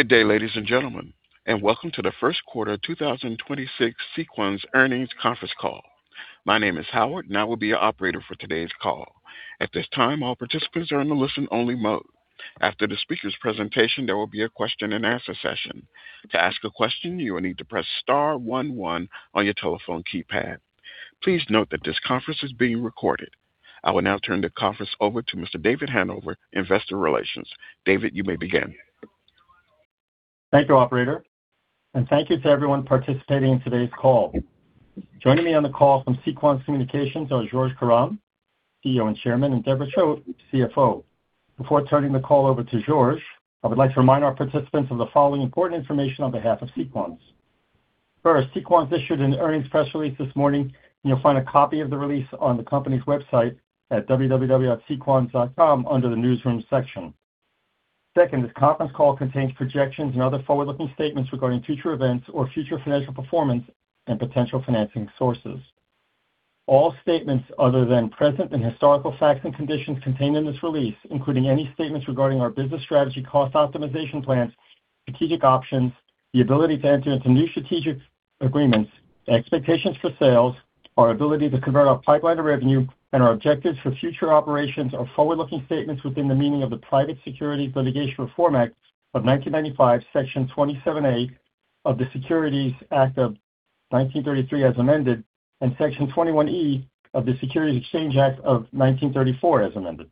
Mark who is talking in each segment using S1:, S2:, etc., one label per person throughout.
S1: Good day, ladies and gentlemen, welcome to the first quarter 2026 Sequans earnings conference call. My name is Howard, I will be your operator for today's call. At this time, all participants are in a listen-only mode. After the speakers' presentation, there will be a question and answer session. To ask a question, you will need to press star one one on your telephone keypad. Please note that this conference is being recorded. I will now turn the conference over to Mr. David Hanover, Investor Relations. David, you may begin.
S2: Thank you, operator. Thank you to everyone participating in today's call. Joining me on the call from Sequans Communications are Georges Karam, CEO and Chairman, and Deborah Choate, CFO. Before turning the call over to Georges, I would like to remind our participants of the following important information on behalf of Sequans. First, Sequans issued an earnings press release this morning. You'll find a copy of the release on the company's website at www.sequans.com under the Newsroom section. Second, this conference call contains projections and other forward-looking statements regarding future events or future financial performance and potential financing sources. All statements other than present and historical facts and conditions contained in this release, including any statements regarding our business strategy, cost optimization plans, strategic options, the ability to enter into new strategic agreements, expectations for sales, our ability to convert our pipeline to revenue, and our objectives for future operations are forward-looking statements within the meaning of the Private Securities Litigation Reform Act of 1995, Section 27A of the Securities Act of 1933 as amended, and Section 21E of the Securities Exchange Act of 1934 as amended.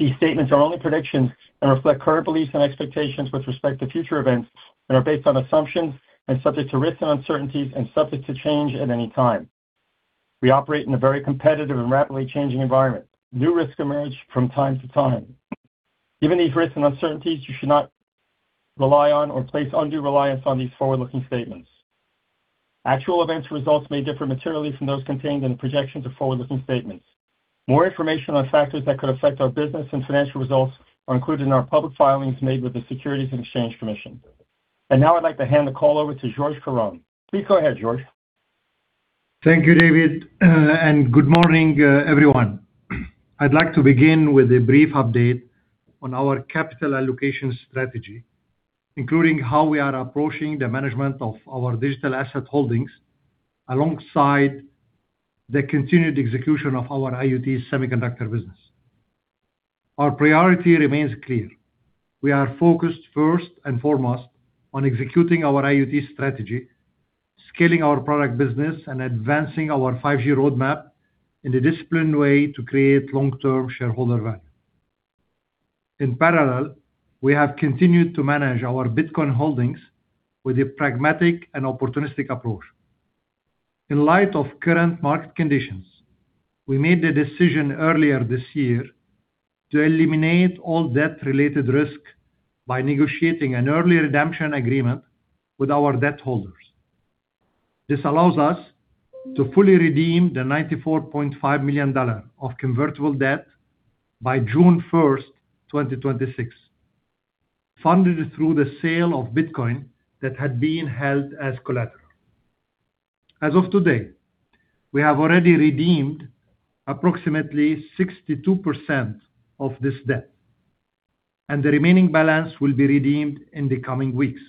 S2: These statements are only predictions and reflect current beliefs and expectations with respect to future events and are based on assumptions and subject to risks and uncertainties and subject to change at any time. We operate in a very competitive and rapidly changing environment. New risks emerge from time to time. Given these risks and uncertainties, you should not rely on or place undue reliance on these forward-looking statements. Actual events or results may differ materially from those contained in the projections of forward-looking statements. More information on factors that could affect our business and financial results are included in our public filings made with the Securities and Exchange Commission. Now I'd like to hand the call over to Georges Karam. Please go ahead, Georges.
S3: Thank you, David. Good morning, everyone. I'd like to begin with a brief update on our capital allocation strategy, including how we are approaching the management of our digital asset holdings alongside the continued execution of our IoT semiconductor business. Our priority remains clear. We are focused first and foremost on executing our IoT strategy, scaling our product business, and advancing our five-year roadmap in a disciplined way to create long-term shareholder value. In parallel, we have continued to manage our Bitcoin holdings with a pragmatic and opportunistic approach. In light of current market conditions, we made the decision earlier this year to eliminate all debt-related risk by negotiating an early redemption agreement with our debt holders. This allows us to fully redeem the $94.5 million of convertible debt by June 1st, 2026, funded through the sale of Bitcoin that had been held as collateral. As of today, we have already redeemed approximately 62% of this debt, and the remaining balance will be redeemed in the coming weeks.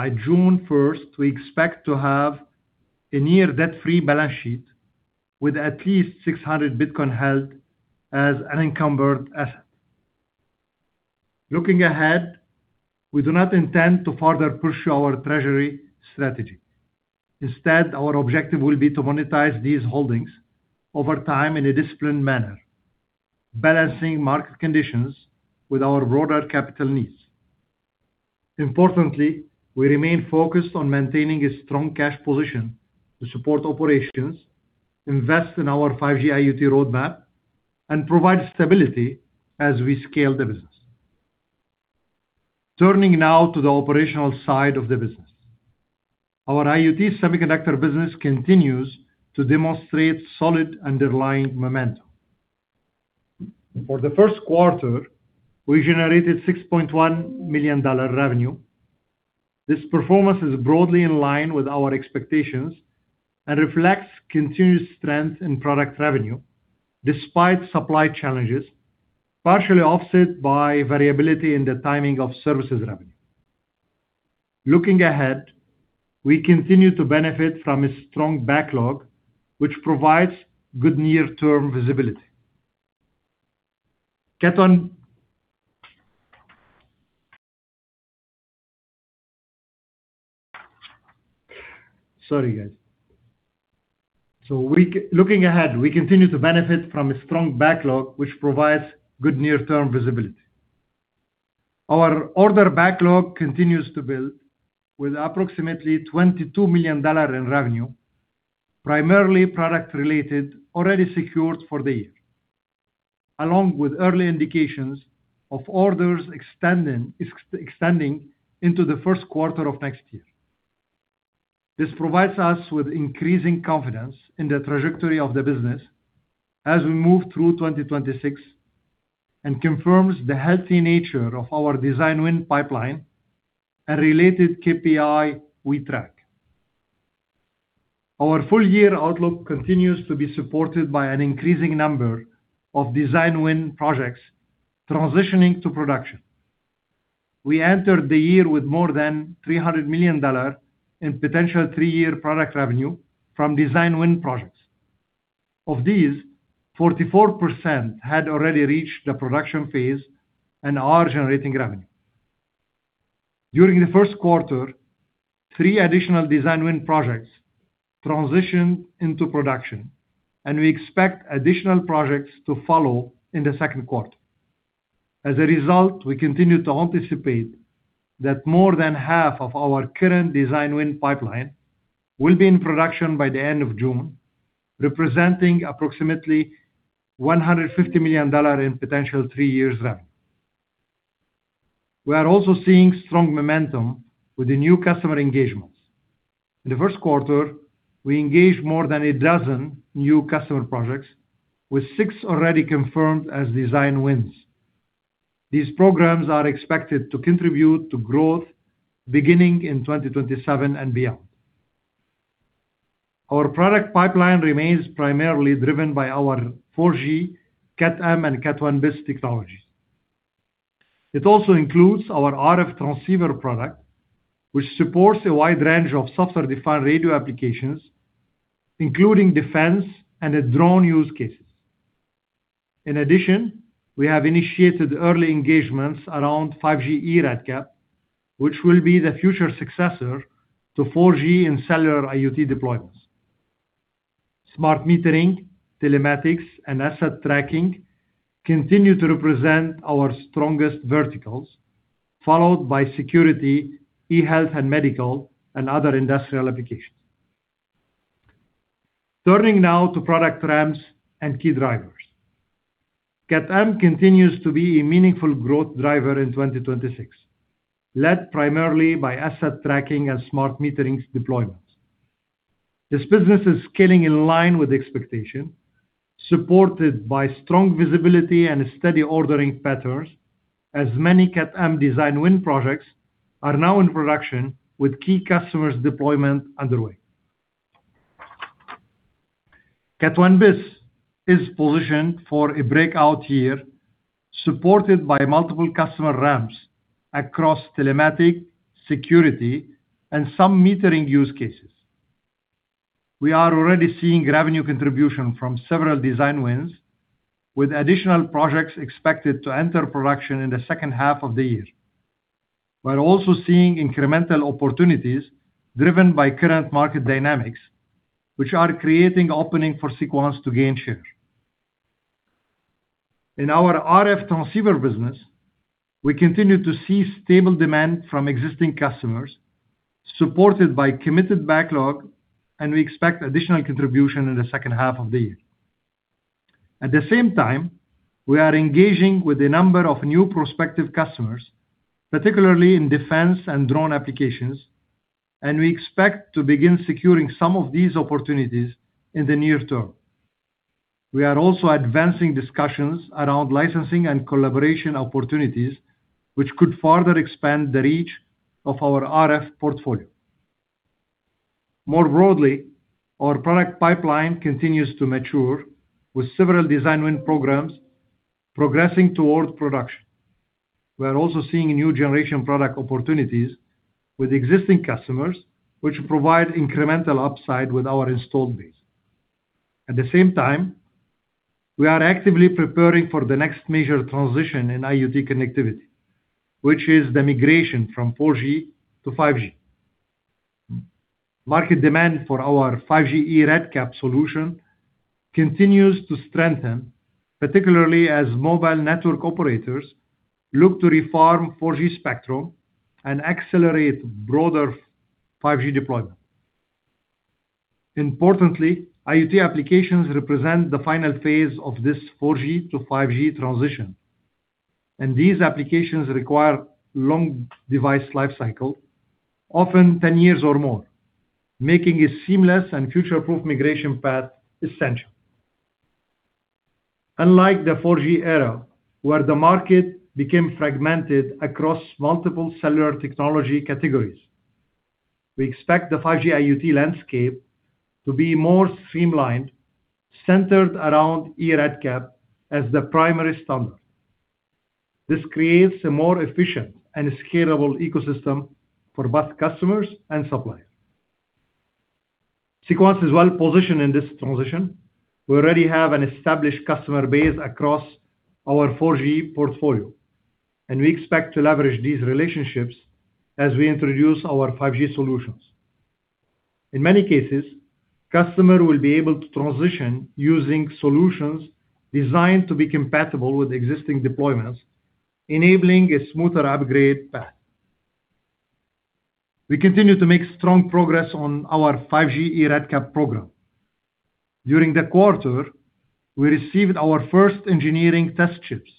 S3: By June 1st, we expect to have a near debt-free balance sheet with at least 600 Bitcoin held as unencumbered asset. Looking ahead, we do not intend to further pursue our treasury strategy. Instead, our objective will be to monetize these holdings over time in a disciplined manner, balancing market conditions with our broader capital needs. Importantly, we remain focused on maintaining a strong cash position to support operations, invest in our 5G IoT roadmap, and provide stability as we scale the business. Turning now to the operational side of the business. Our IoT semiconductor business continues to demonstrate solid underlying momentum. For the first quarter, we generated $6.1 million revenue. This performance is broadly in line with our expectations and reflects continuous strength in product revenue despite supply challenges, partially offset by variability in the timing of services revenue. Looking ahead, we continue to benefit from a strong backlog, which provides good near-term visibility. Get on Sorry, guys. Looking ahead, we continue to benefit from a strong backlog, which provides good near-term visibility. Our order backlog continues to build with approximately $22 million in revenue, primarily product-related, already secured for the year, along with early indications of orders extending into the first quarter of next year. This provides us with increasing confidence in the trajectory of the business as we move through 2026 and confirms the healthy nature of our design win pipeline and related KPI we track. Our full-year outlook continues to be supported by an increasing number of design win projects transitioning to production. We entered the year with more than $300 million in potential three-year product revenue from design win projects. Of these, 44% had already reached the production phase and are generating revenue. During the first quarter, three additional design win projects transitioned into production, and we expect additional projects to follow in the second quarter. As a result, we continue to anticipate that more than half of our current design win pipeline will be in production by the end of June, representing approximately $150 million in potential three years revenue. We are also seeing strong momentum with the new customer engagements. In the first quarter, we engaged more than 12 new customer projects, with six already confirmed as design wins. These programs are expected to contribute to growth beginning in 2027 and beyond. Our product pipeline remains primarily driven by our 4G Cat-M and Cat-1bis technologies. It also includes our RF transceiver product, which supports a wide range of software-defined radio applications, including defense and drone use cases. In addition, we have initiated early engagements around 5G eRedCap, which will be the future successor to 4G and cellular IoT deployments. Smart metering, telematics, and asset tracking continue to represent our strongest verticals, followed by security, e-health and medical, and other industrial applications. Turning now to product ramps and key drivers. Cat M continues to be a meaningful growth driver in 2026, led primarily by asset tracking and smart metering deployments. This business is scaling in line with expectation, supported by strong visibility and steady ordering patterns, as many Cat M design win projects are now in production with key customers deployment underway. Cat 1bis is positioned for a breakout year, supported by multiple customer ramps across telematics, security, and some metering use cases. We are already seeing revenue contribution from several design wins, with additional projects expected to enter production in the second half of the year. We are also seeing incremental opportunities driven by current market dynamics, which are creating opening for Sequans to gain share. In our RF transceiver business, we continue to see stable demand from existing customers, supported by committed backlog, and we expect additional contribution in the second half of the year. At the same time, we are engaging with a number of new prospective customers, particularly in defense and drone applications, and we expect to begin securing some of these opportunities in the near term. We are also advancing discussions around licensing and collaboration opportunities, which could further expand the reach of our RF portfolio. More broadly, our product pipeline continues to mature with several design win programs progressing toward production. We are also seeing new generation product opportunities with existing customers, which provide incremental upside with our installed base. At the same time, we are actively preparing for the next major transition in IoT connectivity, which is the migration from 4G to 5G. Market demand for our 5G eRedCap solution continues to strengthen, particularly as mobile network operators look to reform 4G spectrum and accelerate broader 5G deployment. Importantly, IoT applications represent the final phase of this 4G to 5G transition. These applications require long device life cycle, often 10 years or more, making a seamless and future-proof migration path essential. Unlike the 4G era, where the market became fragmented across multiple cellular technology categories, we expect the 5G IoT landscape to be more streamlined, centered around eRedCap as the primary standard. This creates a more efficient and scalable ecosystem for both customers and suppliers. Sequans is well-positioned in this transition. We already have an established customer base across our 4G portfolio. We expect to leverage these relationships as we introduce our 5G solutions. In many cases, customer will be able to transition using solutions designed to be compatible with existing deployments, enabling a smoother upgrade path. We continue to make strong progress on our 5G eRedCap program. During the quarter, we received our first engineering test chips,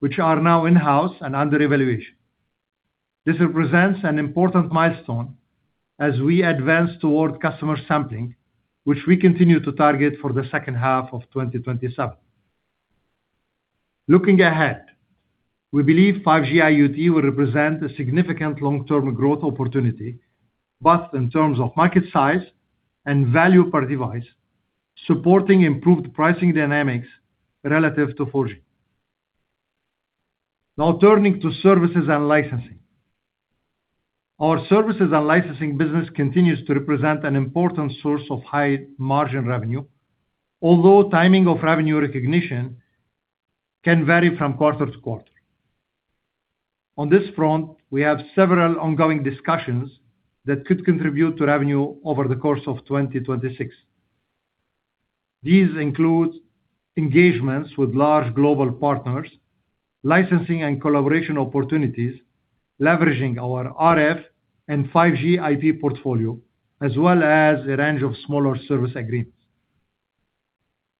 S3: which are now in-house and under evaluation. This represents an important milestone as we advance toward customer sampling, which we continue to target for the second half of 2027. Looking ahead, we believe 5G IoT will represent a significant long-term growth opportunity, both in terms of market size and value per device, supporting improved pricing dynamics relative to 4G. Turning to services and licensing. Our services and licensing business continues to represent an important source of high margin revenue, although timing of revenue recognition can vary from quarter to quarter. On this front, we have several ongoing discussions that could contribute to revenue over the course of 2026. These include engagements with large global partners, licensing and collaboration opportunities, leveraging our RF and 5G IP portfolio, as well as a range of smaller service agreements.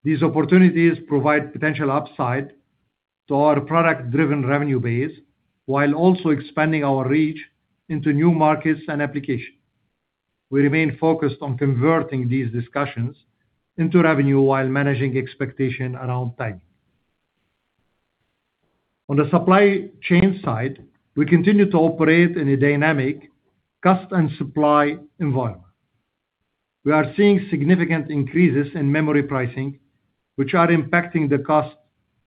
S3: These opportunities provide potential upside to our product-driven revenue base while also expanding our reach into new markets and applications. We remain focused on converting these discussions into revenue while managing expectation around timing. On the supply chain side, we continue to operate in a dynamic cost and supply environment. We are seeing significant increases in memory pricing, which are impacting the cost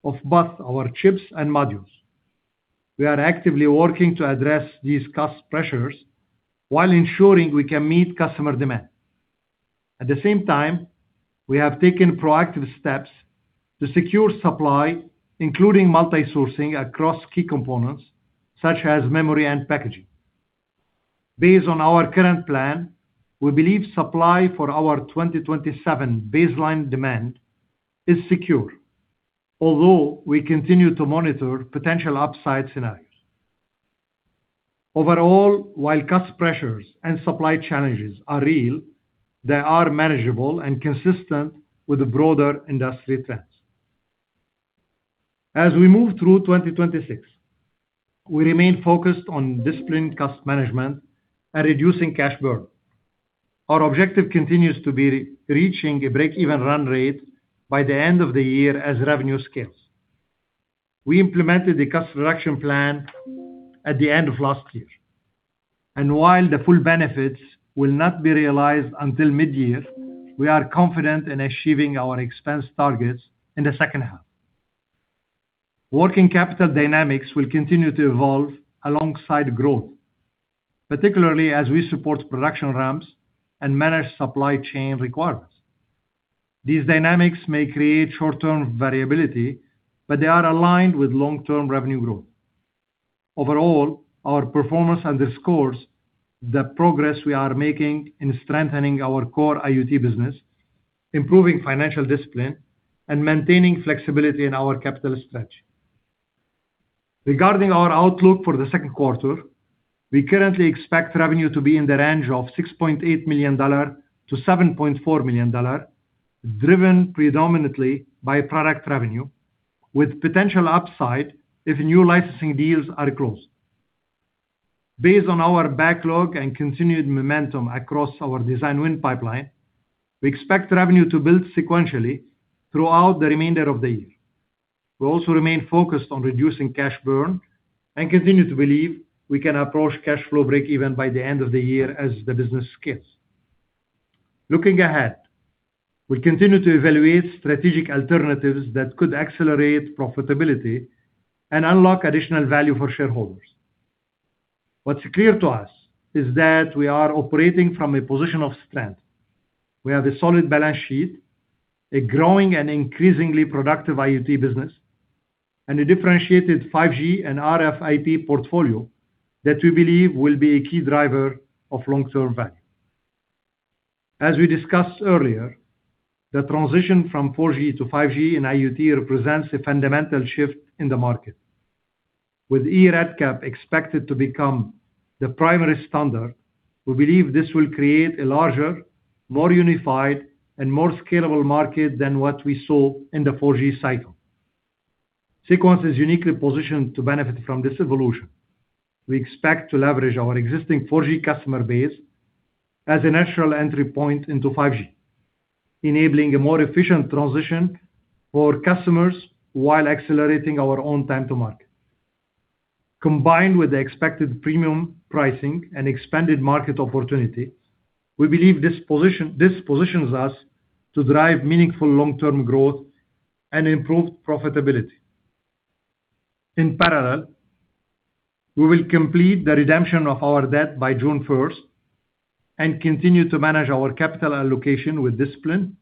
S3: of both our chips and modules. We are actively working to address these cost pressures while ensuring we can meet customer demand. At the same time, we have taken proactive steps to secure supply, including multi-sourcing across key components such as memory and packaging. Based on our current plan, we believe supply for our 2027 baseline demand is secure, although we continue to monitor potential upside scenarios. Overall, while cost pressures and supply challenges are real, they are manageable and consistent with the broader industry trends. As we move through 2026, we remain focused on disciplined cost management and reducing cash burn. Our objective continues to be re-reaching a break-even run rate by the end of the year as revenue scales. We implemented a cost reduction plan at the end of last year, and while the full benefits will not be realized until mid-year, we are confident in achieving our expense targets in the second half. Working capital dynamics will continue to evolve alongside growth, particularly as we support production ramps and manage supply chain requirements. These dynamics may create short-term variability, but they are aligned with long-term revenue growth. Overall, our performance underscores the progress we are making in strengthening our core IoT business, improving financial discipline, and maintaining flexibility in our capital stretch. Regarding our outlook for the second quarter, we currently expect revenue to be in the range of $6.8 million to $7.4 million, driven predominantly by product revenue, with potential upside if new licensing deals are closed. Based on our backlog and continued momentum across our design win pipeline, we expect revenue to build sequentially throughout the remainder of the year. We also remain focused on reducing cash burn and continue to believe we can approach cash flow break even by the end of the year as the business scales. Looking ahead, we continue to evaluate strategic alternatives that could accelerate profitability and unlock additional value for shareholders. What's clear to us is that we are operating from a position of strength. We have a solid balance sheet, a growing and increasingly productive IoT business, and a differentiated 5G and RF IP portfolio that we believe will be a key driver of long-term value. As we discussed earlier, the transition from 4G to 5G in IoT represents a fundamental shift in the market. With eRedCap expected to become the primary standard, we believe this will create a larger, more unified, and more scalable market than what we saw in the 4G cycle. Sequans is uniquely positioned to benefit from this evolution. We expect to leverage our existing 4G customer base as a natural entry point into 5G, enabling a more efficient transition for customers while accelerating our own time to market. Combined with the expected premium pricing and expanded market opportunity, we believe this positions us to drive meaningful long-term growth and improved profitability. In parallel, we will complete the redemption of our debt by June 1st and continue to manage our capital allocation with discipline,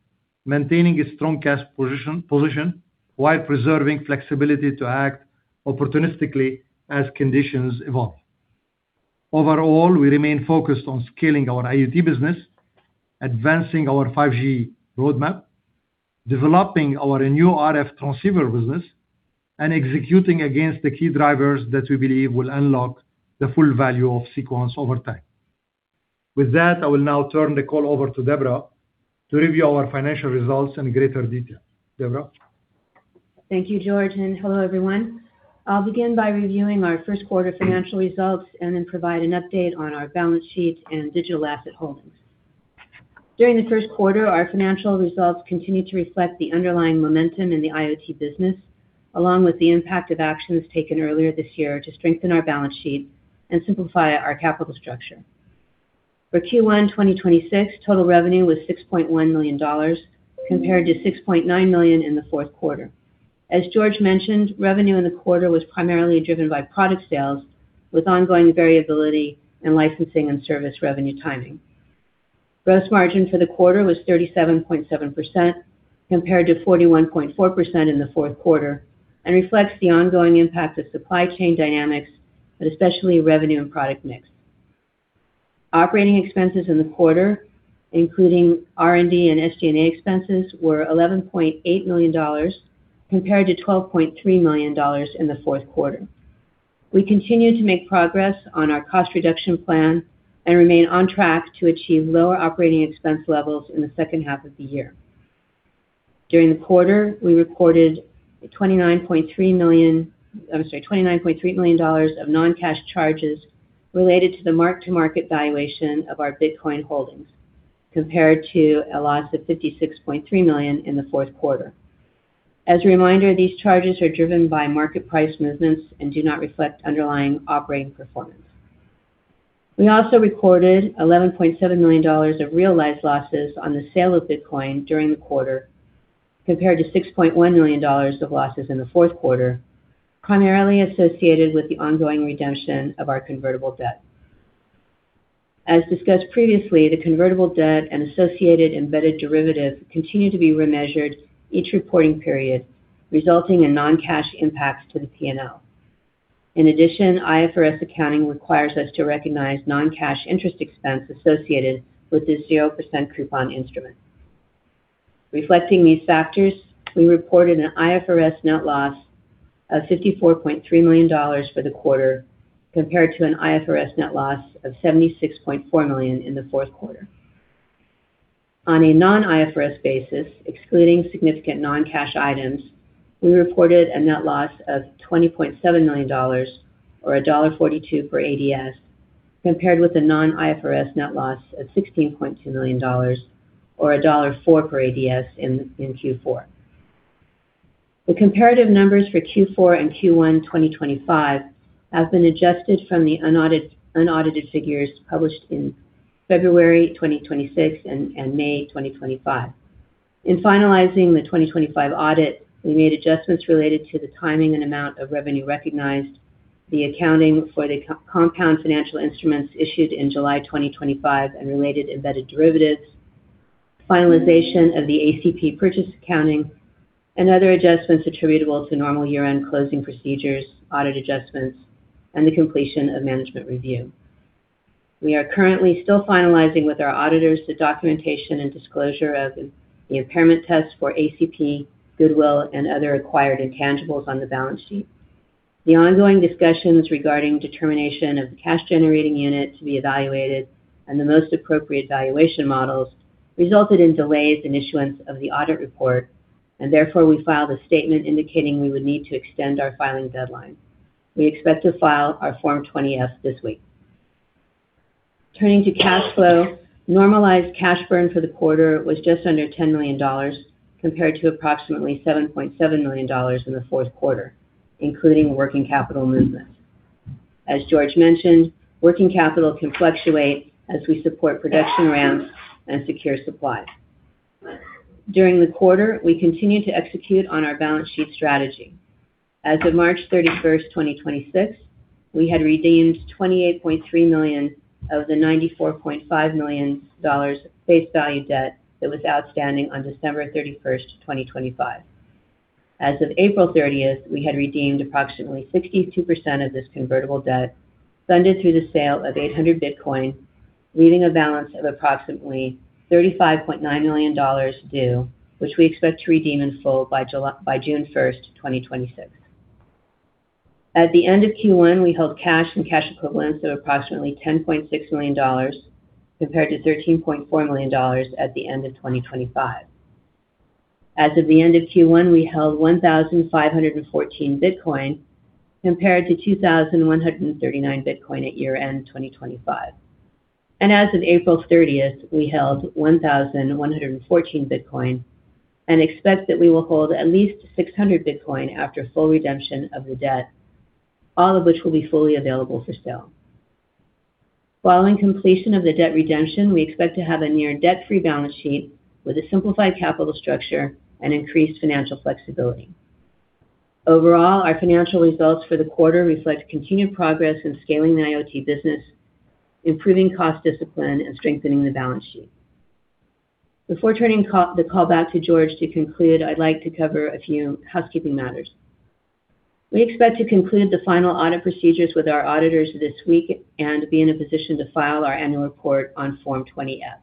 S3: maintaining a strong cash position while preserving flexibility to act opportunistically as conditions evolve. Overall, we remain focused on scaling our IoT business, advancing our 5G roadmap, developing our new RF transceiver business, and executing against the key drivers that we believe will unlock the full value of Sequans over time. With that, I will now turn the call over to Deborah to review our financial results in greatern detail. Deborah?
S4: Thank you, Georges, and hello, everyone. I'll begin by reviewing our first quarter financial results and then provide an update on our balance sheet and digital asset holdings. During the first quarter, our financial results continued to reflect the underlying momentum in the IoT business, along with the impact of actions taken earlier this year to strengthen our balance sheet and simplify our capital structure. For Q1 2026, total revenue was $6.1 million compared to $6.9 million in the fourth quarter. As Georges mentioned, revenue in the quarter was primarily driven by product sales, with ongoing variability in licensing and service revenue timing. Gross margin for the quarter was 37.7% compared to 41.4% in the fourth quarter, and reflects the ongoing impact of supply chain dynamics, but especially revenue and product mix. Operating expenses in the quarter, including R&D and SG&A expenses, were $11.8 million compared to $12.3 million in the fourth quarter. We continue to make progress on our cost reduction plan and remain on track to achieve lower operating expense levels in the second half of the year. During the quarter, we reported $29.3 million, I'm sorry, $29.3 million of non-cash charges related to the mark-to-market valuation of our Bitcoin holdings, compared to a loss of $56.3 million in the fourth quarter. As a reminder, these charges are driven by market price movements and do not reflect underlying operating performance. We also recorded $11.7 million of realized losses on the sale of Bitcoin during the quarter compared to $6.1 million of losses in the fourth quarter, primarily associated with the ongoing redemption of our convertible debt. As discussed previously, the convertible debt and associated embedded derivative continue to be remeasured each reporting period, resulting in non-cash impacts to the P&L. In addition, IFRS accounting requires us to recognize non-cash interest expense associated with this 0% coupon instrument. Reflecting these factors, we reported an IFRS net loss of $54.3 million for the quarter compared to an IFRS net loss of $76.4 million in the fourth quarter. On a non-IFRS basis, excluding significant non-cash items, we reported a net loss of $20.7 million or $1.42 per ADS, compared with a non-IFRS net loss of $16.2 million or $1.04 per ADS in Q4. The comparative numbers for Q4 and Q1 2025 have been adjusted from the unaudited figures published in February 2026 and May 2025. In finalizing the 2025 audit, we made adjustments related to the timing and amount of revenue recognized, the accounting for the compound financial instruments issued in July 2025, and related embedded derivatives, finalization of the ACP purchase accounting, and other adjustments attributable to normal year-end closing procedures, audit adjustments, and the completion of management review. We are currently still finalizing with our auditors the documentation and disclosure of the impairment test for ACP, goodwill, and other acquired intangibles on the balance sheet. The ongoing discussions regarding determination of the cash generating unit to be evaluated and the most appropriate valuation models resulted in delays in issuance of the audit report, and therefore we filed a statement indicating we would need to extend our filing deadline. We expect to file our Form 20-F this week. Turning to cash flow, normalized cash burn for the quarter was just under $10 million compared to approximately $7.7 million in the fourth quarter, including working capital movements. As Georges mentioned, working capital can fluctuate as we support production ramps and secure supplies. During the quarter, we continued to execute on our balance sheet strategy. As of March 31, 2026, we had redeemed $28.3 million of the $94.5 million face value debt that was outstanding on December 31, 2025. As of April 30, we had redeemed approximately 62% of this convertible debt funded through the sale of 800 Bitcoin, leaving a balance of approximately $35.9 million due, which we expect to redeem in full by June 1, 2026. At the end of Q1, we held cash and cash equivalents of approximately $10.6 million compared to $13.4 million at the end of 2025. As of the end of Q1, we held 1,514 Bitcoin compared to 2,139 Bitcoin at year-end 2025. As of April 30th, we held 1,114 Bitcoin and expect that we will hold at least 600 Bitcoin after full redemption of the debt, all of which will be fully available for sale. Following completion of the debt redemption, we expect to have a near debt-free balance sheet with a simplified capital structure and increased financial flexibility. Overall, our financial results for the quarter reflect continued progress in scaling the IoT business, improving cost discipline, and strengthening the balance sheet. Before turning the call back to Georges Karam to conclude, I'd like to cover a few housekeeping matters. We expect to conclude the final audit procedures with our auditors this week and be in a position to file our annual report on Form 20-F.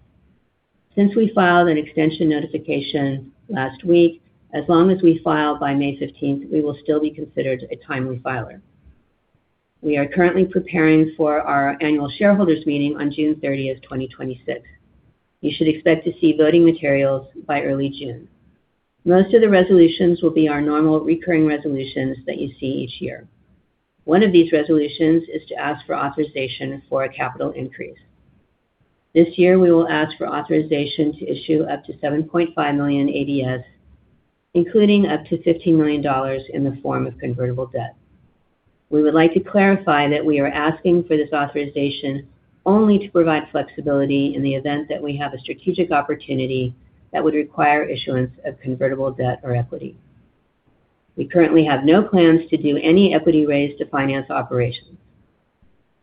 S4: Since we filed an extension notification last week, as long as we file by May 15th, we will still be considered a timely filer. We are currently preparing for our annual shareholders meeting on June 30th, 2026. You should expect to see voting materials by early June. Most of the resolutions will be our normal recurring resolutions that you see each year. One of these resolutions is to ask for authorization for a capital increase. This year, we will ask for authorization to issue up to 7.5 million ADSs, including up to $15 million in the form of convertible debt. We would like to clarify that we are asking for this authorization only to provide flexibility in the event that we have a strategic opportunity that would require issuance of convertible debt or equity. We currently have no plans to do any equity raise to finance operations.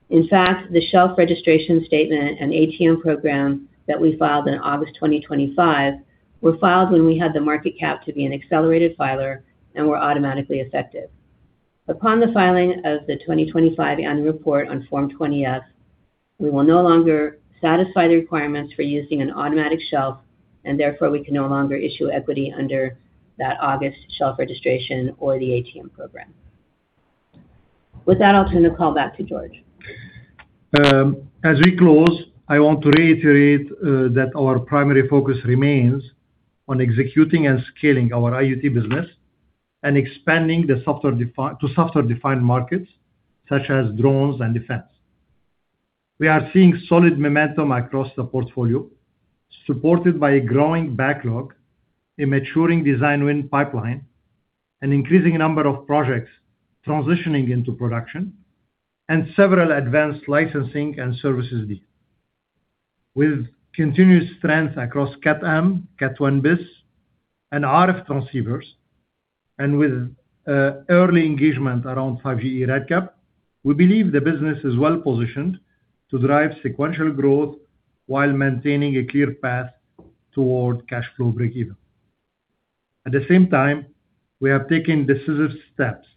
S4: In fact, the shelf registration statement and ATM program that we filed in August 2025 were filed when we had the market cap to be an accelerated filer and were automatically effective. Upon the filing of the 2025 annual report on Form 20-F, we will no longer satisfy the requirements for using an automatic shelf, and therefore we can no longer issue equity under that August shelf registration or the ATM program. With that, I'll turn the call back to Georges.
S3: As we close, I want to reiterate that our primary focus remains on executing and scaling our IoT business and expanding to software-defined markets such as drones and defense. We are seeing solid momentum across the portfolio, supported by a growing backlog, a maturing design win pipeline, an increasing number of projects transitioning into production, and several advanced licensing and services deals. With continuous strength across Cat M, Cat 1bis, and RF transceivers, and with early engagement around 5G eRedCap, we believe the business is well-positioned to drive sequential growth while maintaining a clear path toward cash flow breakeven. At the same time, we have taken decisive steps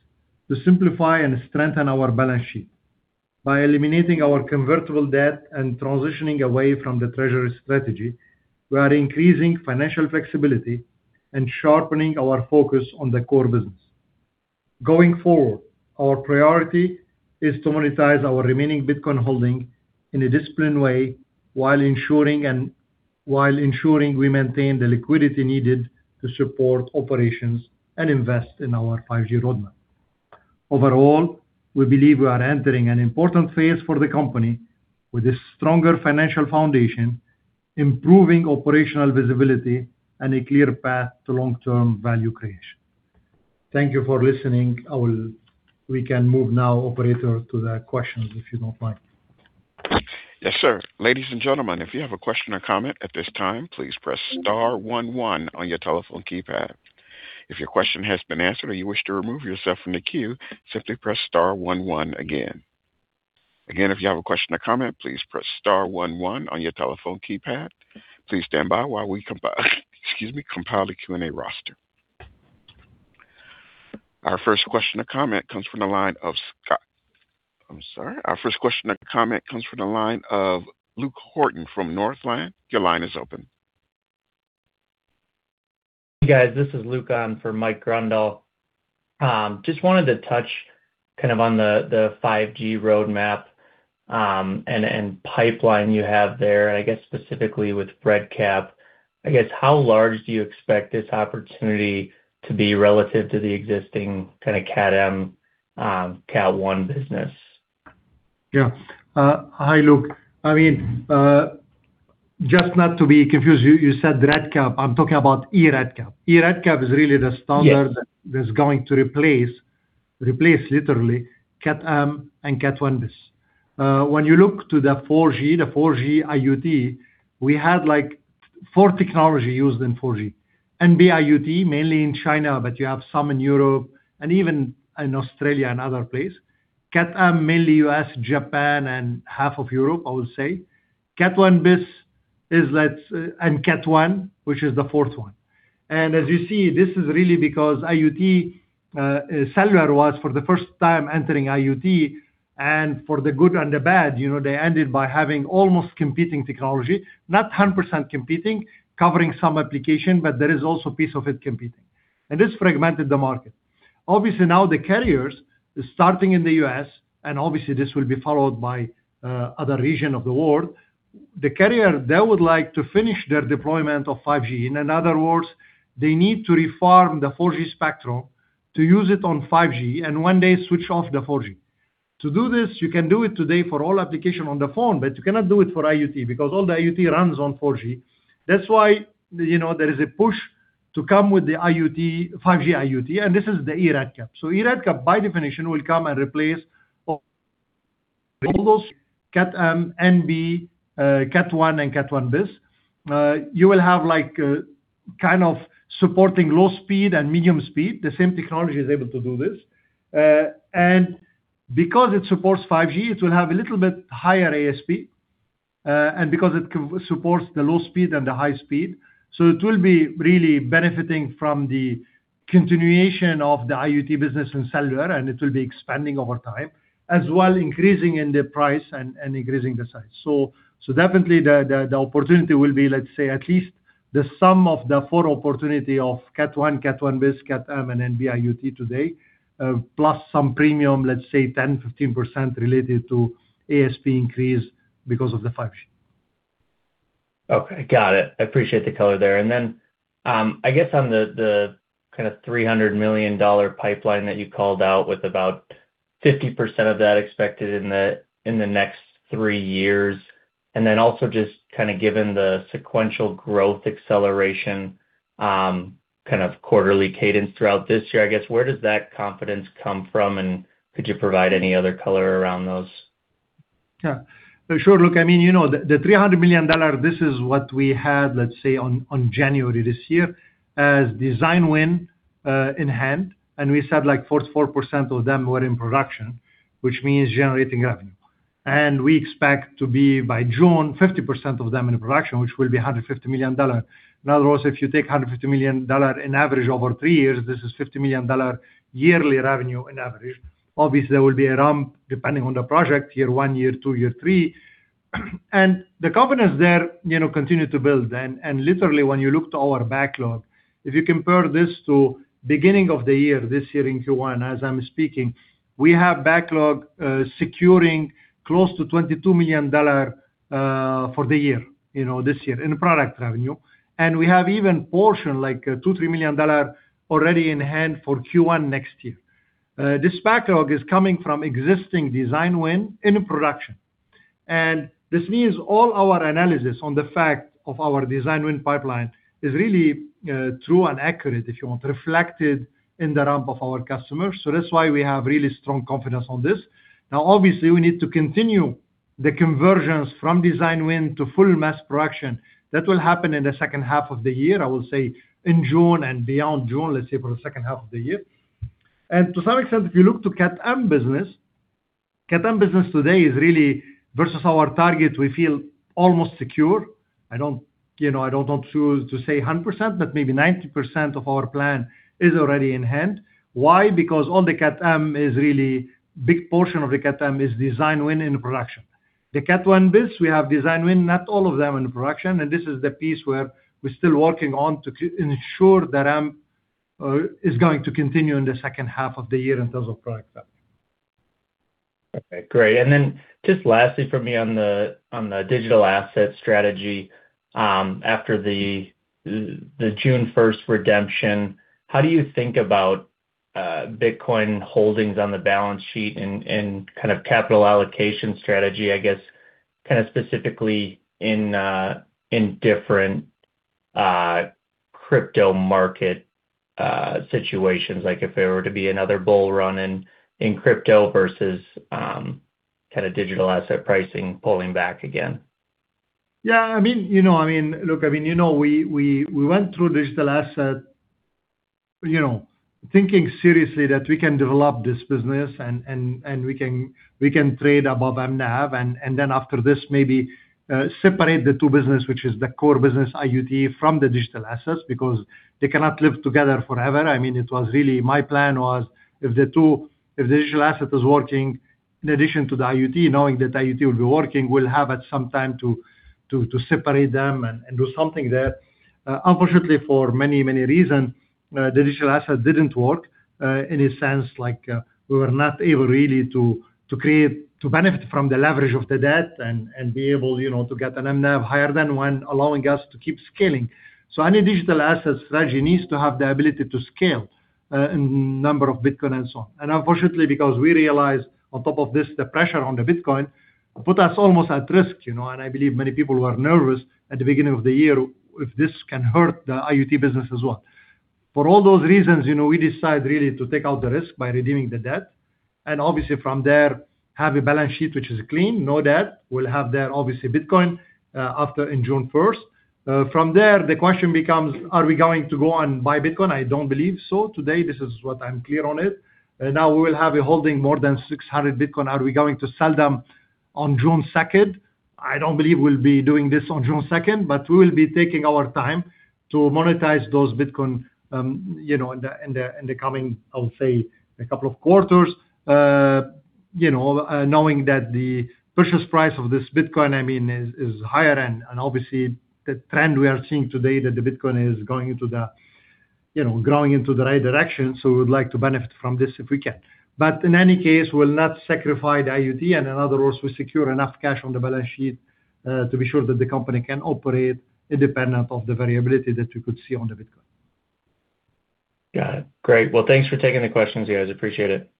S3: to simplify and strengthen our balance sheet. By eliminating our convertible debt and transitioning away from the treasury strategy, we are increasing financial flexibility and sharpening our focus on the core business. Going forward, our priority is to monetize our remaining Bitcoin holding in a disciplined way while ensuring we maintain the liquidity needed to support operations and invest in our 5G roadmap. Overall, we believe we are entering an important phase for the company with a stronger financial foundation, improving operational visibility, and a clear path to long-term value creation. Thank you for listening. We can move now, operator, to the questions, if you don't mind.
S1: Yes, sir. Ladies and gentlemen, if you have a question or comment at this time, please press star one one on your telephone keypad. If your question has been answered or you wish to remove yourself from the queue, simply press star one one again. Again, if you have a question or comment, please press star one one on your telephone keypad. Please stand by while we compile a Q&A roster. Our first question or comment comes from the line of Scott. I'm sorry. Our first question or comment comes from the line of Luke Horton from Northland. Your line is open.
S5: Hey, guys. This is Luke on for Mike Grondahl. Just wanted to touch kind of on the 5G roadmap and pipeline you have there, and I guess specifically with RedCap. I guess how large do you expect this opportunity to be relative to the existing kind of Cat M, Cat 1 business?
S3: Hi, Luke. I mean, just not to be confused, you said RedCap. I'm talking about eRedCap. eRedCap is really the standard.
S5: Yes
S3: that is going to replace literally Cat-M and Cat 1bis. When you look to the 4G, the 4G IoT, we had like four technology used in 4G. NB-IoT, mainly in China, you have some in Europe and even in Australia and other place. Cat-M, mainly U.S., Japan and half of Europe, I would say. Cat 1bis is and Cat 1, which is the fourth one. As you see, this is really because IoT cellular was for the first time entering IoT. For the good and the bad, you know, they ended by having almost competing technology, not 100% competing, covering some application, there is also a piece of it competing. This fragmented the market. Obviously, now the carriers, starting in the U.S., obviously this will be followed by other region of the world. The carrier, they would like to finish their deployment of 5G. In other words, they need to reform the 4G spectrum to use it on 5G and one day switch off the 4G. To do this, you can do it today for all application on the phone, but you cannot do it for IoT because all the IoT runs on 4G. That's why, you know, there is a push to come with the IoT, 5G IoT. This is the eRedCap. eRedCap, by definition, will come and replace all those Cat-M, NB, Cat 1 and Cat 1bis. You will have like kind of supporting low speed and medium speed. The same technology is able to do this. Because it supports 5G, it will have a little bit higher ASP, and because it supports the low speed and the high speed. It will be really benefiting from the continuation of the IoT business in cellular, and it will be expanding over time, as well increasing in the price and increasing the size. Definitely the opportunity will be, let's say, at least the sum of the 4 opportunity of Cat 1, Cat 1bis, Cat-M and NB-IoT today, plus some premium, let's say 10%, 15% related to ASP increase because of the 5G.
S5: Okay. Got it. I appreciate the color there. I guess on the kinda $300 million pipeline that you called out with about 50% of that expected in the next three years. Just kinda given the sequential growth acceleration, kind of quarterly cadence throughout this year, I guess, where does that confidence come from? Could you provide any other color around those?
S3: Sure, look, I mean, you know, the $300 million, this is what we had, let's say, on January this year as design win in hand. We said like 44% of them were in production, which means generating revenue. We expect to be by June, 50% of them in production, which will be $150 million. In other words, if you take$150 million in average over three years, this is $50 million yearly revenue in average. Obviously, there will be a ramp depending on the project, year one year two, year three. The confidence there, you know, continue to build. Literally when you look to our backlog, if you compare this to beginning of the year, this year in Q1 as I'm speaking, we have backlog securing close to $22 million for the year, you know, this year in product revenue. We have even portion like $2 million-$3 million already in hand for Q1 next year. This backlog is coming from existing design win in production. This means all our analysis on the fact of our design win pipeline is really true and accurate, if you want, reflected in the ramp of our customers. That's why we have really strong confidence on this. Obviously, we need to continue the conversions from design win to full mass production. That will happen in the second half of the year. I will say in June and beyond June, let's say for the second half of the year. To some extent, if you look to Cat M business, Cat M business today is really versus our target, we feel almost secure. I don't, you know, I don't want to say 100%, but maybe 90% of our plan is already in hand. Why? Because all the Cat M is really, big portion of the Cat M is design win in production. The Cat 1bis, we have design win, not all of them in production. This is the piece where we're still working on to ensure the ramp is going to continue in the second half of the year in terms of product value.
S5: Okay, great. Just lastly from me on the digital asset strategy, after the June first redemption, how do you think about Bitcoin holdings on the balance sheet and kind of capital allocation strategy, I guess, kind of specifically in different crypto market situations, like if there were to be another bull run in crypto versus kind of digital asset pricing pulling back again?
S3: I mean, you know, I mean, look, I mean, you know, we went through digital asset, you know, thinking seriously that we can develop this business and we can trade above mNAV. Then after this, maybe separate the two business, which is the core business, IoT, from the digital assets because they cannot live together forever. I mean, it was really, my plan was if the digital asset is working in addition to the IoT, knowing that IoT will be working, we'll have at some time to separate them and do something there. Unfortunately for many, many reasons, the digital asset didn't work, in a sense like, we were not able really to create, to benefit from the leverage of the debt and be able, you know, to get an mNAV higher than when allowing us to keep scaling. Any digital asset strategy needs to have the ability to scale, in number of Bitcoin and so on. Unfortunately, because we realized on top of this, the pressure on the Bitcoin put us almost at risk, you know, and I believe many people were nervous at the beginning of the year if this can hurt the IoT business as well. For all those reasons, you know, we decide really to take out the risk by redeeming the debt. Obviously from there, have a balance sheet which is clean, no debt. We'll have there obviously Bitcoin, after in June 1st. From there, the question becomes, are we going to go and buy Bitcoin? I don't believe so. Today, this is what I'm clear on it. Now, we will have a holding more than 600 Bitcoin. Are we going to sell them on June 2nd? I don't believe we'll be doing this on June 2nd, but we will be taking our time to monetize those Bitcoin, you know, in the, in the, in the coming, I would say, a couple of quarters. You know, knowing that the purchase price of this Bitcoin, I mean, is higher and obviously the trend we are seeing today that the Bitcoin is going into the, you know, growing into the right direction, so we would like to benefit from this if we can. In any case, we'll not sacrifice IoT. In other words, we secure enough cash on the balance sheet to be sure that the company can operate independent of the variability that we could see on the Bitcoin.
S5: Got it. Great. Well, thanks for taking the questions, you guys. Appreciate it.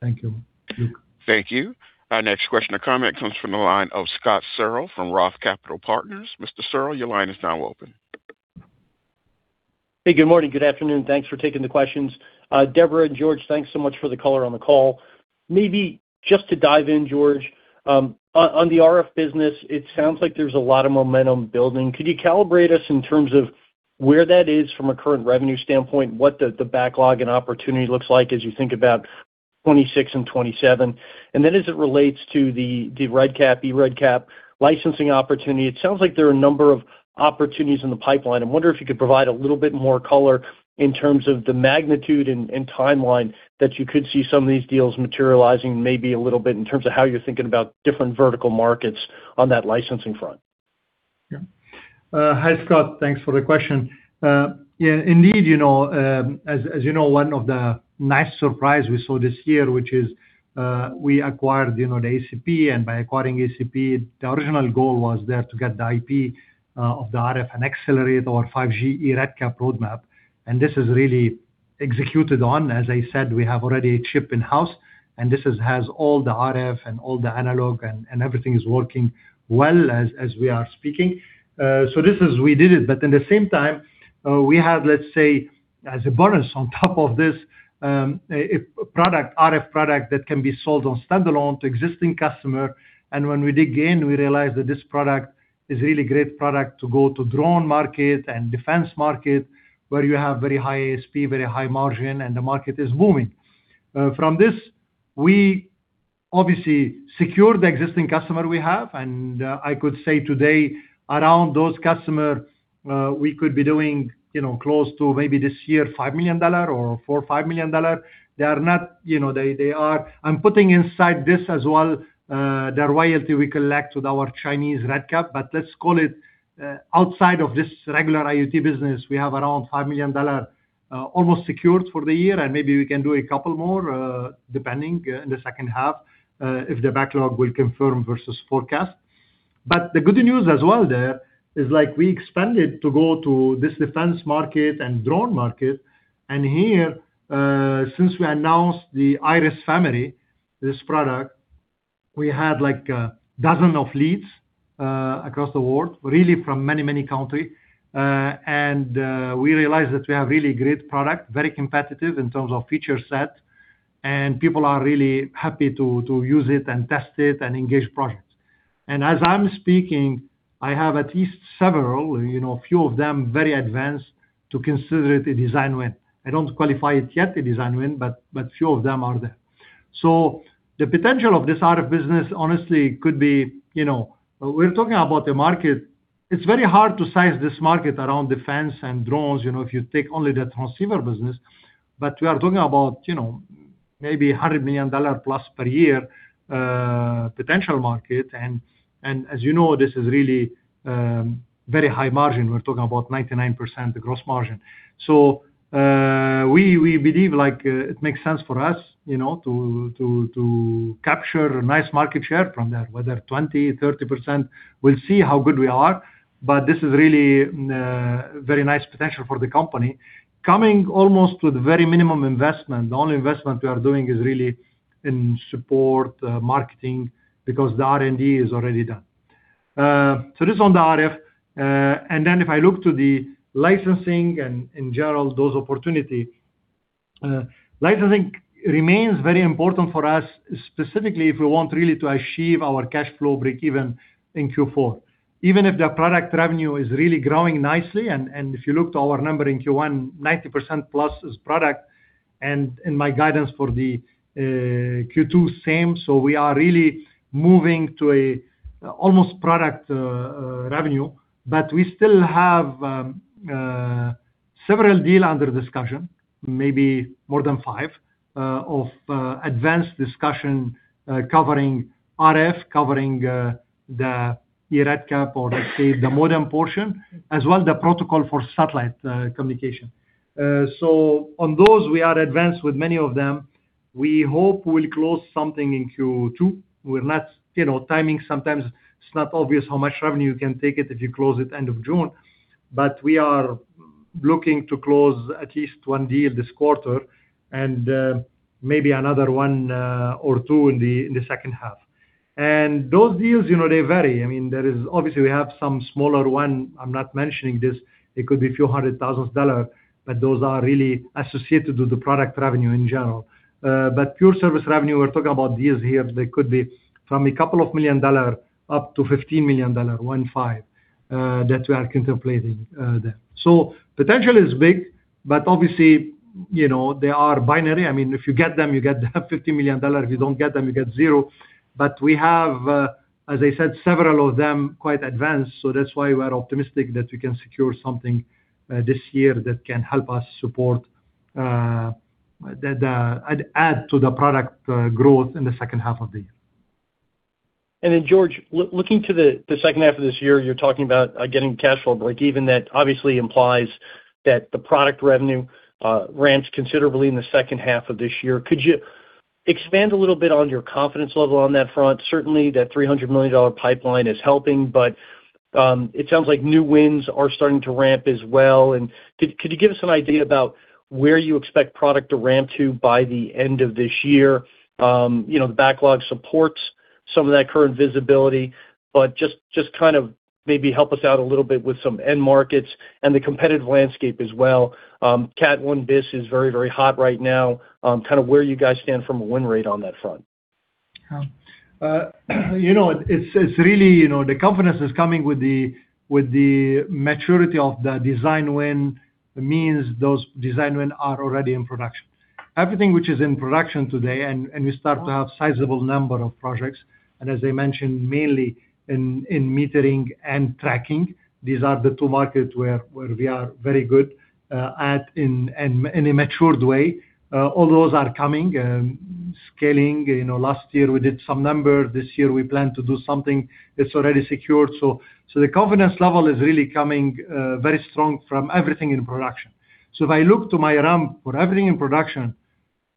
S3: Thank you. Luke.
S1: Thank you. Our next question or comment comes from the line of Scott Searle from Roth Capital Partners. Mr. Searle, your line is now open.
S6: Hey, good morning, good afternoon. Thanks for taking the questions. Deborah and Georges, thanks so much for the color on the call. Maybe just to dive in, Georges, on the RF business, it sounds like there's a lot of momentum building. Could you calibrate us in terms of where that is from a current revenue standpoint, what the backlog and opportunity looks like as you think about 2026 and 2027? Then as it relates to the RedCap, eRedCap licensing opportunity, it sounds like there are a number of opportunities in the pipeline. I wonder if you could provide a little bit more color in terms of the magnitude and timeline that you could see some of these deals materializing, maybe a little bit in terms of how you're thinking about different vertical markets on that licensing front?
S3: Hi, Scott. Thanks for the question. Indeed, you know, as you know, one of the nice surprise we saw this year, which is, we acquired, you know, the ACP. By acquiring ACP, the original goal was there to get the IP of the RF and accelerate our 5G eRedCap roadmap. This is really executed on. As I said, we have already a chip in-house, has all the RF and all the analog and everything is working well as we are speaking. This is we did it. At the same time, we have, let's say, as a bonus on top of this, a product, RF product that can be sold on standalone to existing customer. When we dig in, we realize that this product is really great product to go to drone market and defense market, where you have very high ASP, very high margin, and the market is booming. From this, we obviously secure the existing customer we have. I could say today, around those customer, we could be doing, you know, close to maybe this year, $5 million or $4 million-$5 million. They are not, you know, they are I'm putting inside this as well, the royalty we collect with our Chinese RedCap. Let's call it, outside of this regular IoT business, we have around $5 million almost secured for the year, and maybe we can do a couple more depending in the second half, if the backlog will confirm versus forecast. The good news as well there is like we expanded to go to this defense market and drone market. Here, since we announced the Iris family, this product, we had like 12 of leads across the world, really from many, many country. We realized that we have really great product, very competitive in terms of feature set, and people are really happy to use it and test it and engage projects. As I'm speaking, I have at least several, you know, a few of them very advanced to consider it a design win. I don't qualify it yet a design win, but few of them are there. The potential of this RF business, honestly could be, you know, we're talking about the market. It's very hard to size this market around defense and drones, you know, if you take only the transceiver business. We are talking about, you know, maybe $100 million plus per year potential market. As you know, this is really very high margin. We're talking about 99% the gross margin. We believe like it makes sense for us, you know, to capture a nice market share from that. Whether 20%, 30%, we'll see how good we are. This is really very nice potential for the company. Coming almost with very minimum investment. The only investment we are doing is really in support, marketing, because the R&D is already done. This is on the RF. If I look to the licensing and in general, those opportunity, licensing remains very important for us, specifically if we want really to achieve our cash flow breakeven in Q4. Even if the product revenue is really growing nicely, if you look to our number in Q1, 90% plus is product and my guidance for the Q2, same. We are really moving to a almost product revenue. We still have several deal under discussion, maybe more than five of advanced discussion covering RF, covering the eRedCap or let's say the modem portion, as well as the protocol for satellite communication. On those, we are advanced with many of them. We hope we'll close something in Q2. We're not, you know, timing sometimes it's not obvious how much revenue you can take it if you close it end of June. We are looking to close at least one deal this quarter and maybe another one or two in the second half. Those deals, you know, they vary. I mean, there is obviously we have some smaller one. I'm not mentioning this. It could be few hundred thousand dollar, but those are really associated with the product revenue in general. Pure service revenue, we're talking about deals here, they could be from a couple of million dollar up to $15 million, 1 5, that we are contemplating there. Potential is big, but obviously, you know, they are binary. I mean, if you get them, you get the $15 million. If you don't get them, you get zero. We have, as I said, several of them quite advanced. That's why we are optimistic that we can secure something this year that can help us support that add to the product growth in the second half of the year.
S6: Georges, looking to the second half of this year, you're talking about getting cash flow breakeven. That obviously implies that the product revenue ramps considerably in the second half of this year. Could you expand a little bit on your confidence level on that front? Certainly, that $300 million pipeline is helping, but it sounds like new wins are starting to ramp as well. Could you give us an idea about where you expect product to ramp to by the end of this year? You know, the backlog supports some of that current visibility, but just kind of maybe help us out a little bit with some end markets and the competitive landscape as well. Cat 1bis is very hot right now. Kind of where you guys stand from a win rate on that front.
S3: You know, it's really, you know, the confidence is coming with the, with the maturity of the design win. It means those design win are already in production. Everything which is in production today, and we start to have sizable number of projects, and as I mentioned, mainly in metering and tracking. These are the two markets where we are very good at in a matured way. All those are coming. Scaling. You know, last year we did some number, this year we plan to do something that's already secured. The confidence level is really coming very strong from everything in production. If I look to my ramp for everything in production,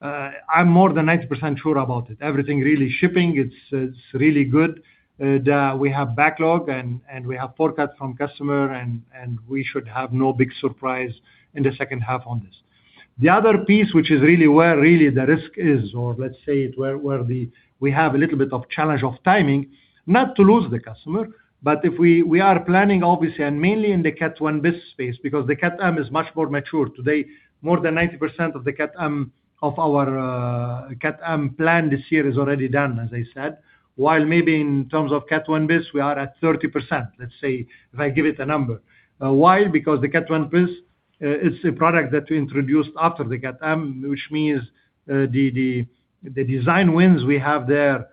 S3: I'm more than 90% sure about it. Everything really shipping, it's really good. That we have backlog and we have forecast from customer and we should have no big surprise in the second half on this. The other piece, which is really where the risk is, or let's say where the we have a little bit of challenge of timing, not to lose the customer, but if we are planning obviously and mainly in the Cat 1bis space because the Cat M is much more mature. Today, more than 90% of the Cat M, of our Cat M plan this year is already done, as I said. While maybe in terms of Cat 1bis, we are at 30%, let's say, if I give it a number. Why? The Cat 1bis, it's a product that we introduced after the Cat M, which means, the design wins we have there,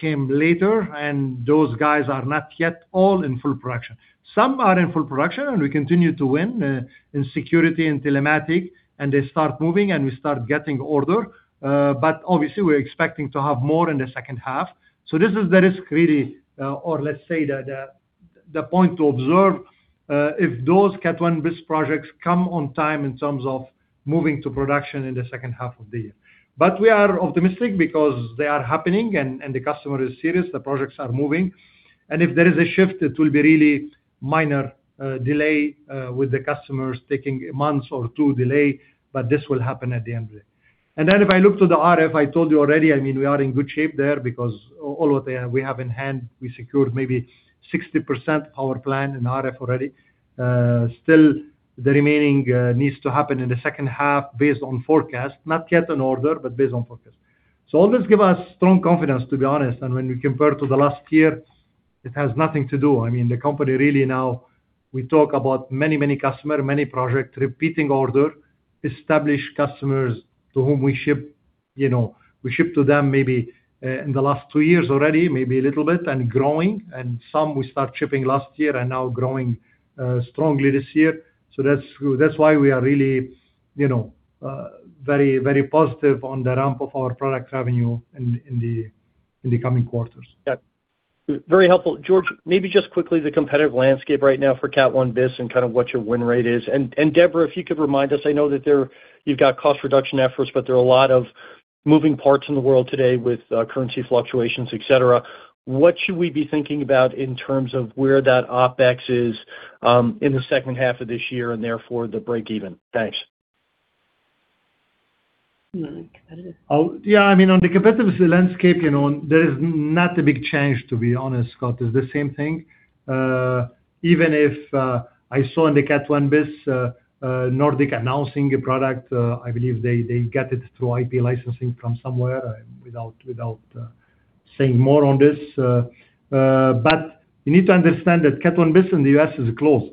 S3: came later, and those guys are not yet all in full production. Some are in full production, we continue to win in security and telematics, and they start moving, and we start getting orders. Obviously we're expecting to have more in the second half. This is the risk really, or let's say the point to observe, if those Cat 1bis projects come on time in terms of moving to production in the second half of the year. We are optimistic because they are happening and the customer is serious, the projects are moving. If there is a shift, it will be really minor delay with the customers taking a month or two delay, but this will happen at the end of it. Then if I look to the RF, I told you already, I mean, we are in good shape there because all of that we have in hand, we secured maybe 60% our plan in RF already. Still the remaining needs to happen in the second half based on forecast. Not yet an order, but based on forecast. All this give us strong confidence, to be honest. When you compare to the last year, it has nothing to do. I mean, the company really now, we talk about many, many customer, many project, repeating order, established customers to whom we ship, you know. We ship to them maybe, in the last two years already, maybe a little bit, and growing. Some we start shipping last year and now growing, strongly this year. That's why we are really, you know, very, very positive on the ramp of our product revenue in the, in the coming quarters.
S6: Yeah. Very helpful. Georges, maybe just quickly, the competitive landscape right now for Cat 1bis and kind of what your win rate is. Deborah, if you could remind us, I know that you've got cost reduction efforts, but there are a lot of moving parts in the world today with currency fluctuations, et cetera. What should we be thinking about in terms of where that OpEx is in the second half of this year and therefore the break even? Thanks.
S4: You know the competitive.
S3: Oh, yeah. I mean, on the competitive landscape, you know, there is not a big change, to be honest, Scott. It's the same thing. Even if I saw in the Cat 1bis, Nordic announcing a product, I believe they get it through IP licensing from somewhere without saying more on this. You need to understand that Cat 1bis in the U.S. is closed.